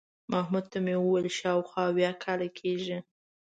محمود ته مې وویل شاوخوا اویا کاله کېږي.